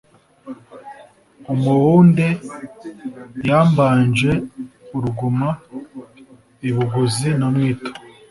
umuhunde yambanje uruguma i buguzi na mwito